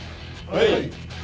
はい。